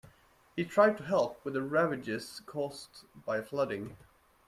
He tried to help with the ravages caused by flooding.